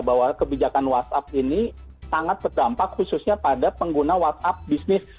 bahwa kebijakan whatsapp ini sangat berdampak khususnya pada pengguna whatsapp bisnis